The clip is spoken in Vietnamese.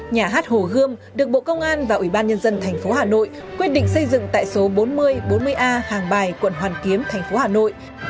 nhà hát hồ gươm được bộ công an và ủy ban nhân dân thành phố hà nội quyết định xây dựng tại số bốn nghìn bốn mươi a hàng bài quận hoàn kiếm thành phố hà nội